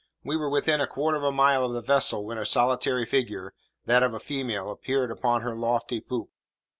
We were within a quarter of a mile of the vessel, when a solitary figure, that of a female, appeared upon her lofty poop.